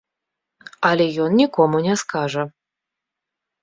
Але ён нікому не скажа.